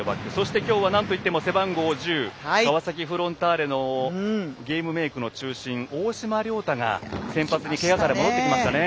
きょうはなんといっても背番号１０川崎フロンターレのゲームメークの中心大島僚太が先発にけがから戻ってきましたね。